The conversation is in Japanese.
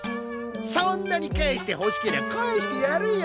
そんなに返してほしけりゃ返してやるよ。